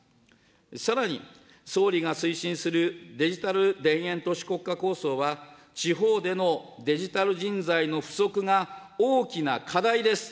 さらに総理が推進するデジタル田園都市国家構想は、地方でのデジタル人材の不足が大きな課題です。